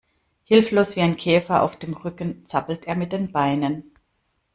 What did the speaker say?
Hilflos wie ein Käfer auf dem Rücken zappelt er mit den Beinen.